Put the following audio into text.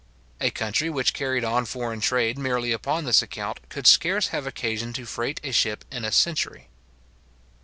A country which carried on foreign trade merely upon this account, could scarce have occasion to freight a ship in a century.